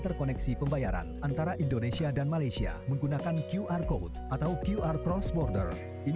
akan dilunjukkan juga kris antar negara indonesia malaysia yang setelah melalui piloting